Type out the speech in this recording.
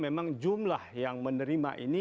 memang jumlah yang menerima ini